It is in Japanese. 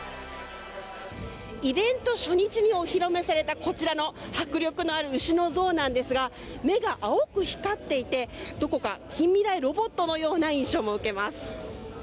イベント初日にお披露目されたこちらの迫力のある牛の像ですが目が青く光っていてどこか近未来、ロボットのような印象を受けます。